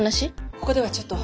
ここではちょっと。